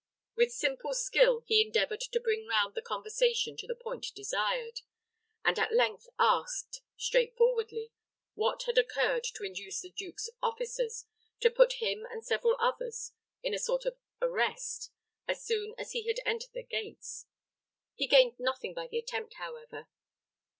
With simple skill he endeavored to bring round the conversation to the point desired, and at length asked, straightforwardly, what had occurred to induce the the duke's officers to put him and several others in a sort of arrest, as soon as he had entered the gates. He gained nothing by the attempt, however.